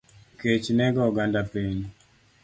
Kech nego oganda piny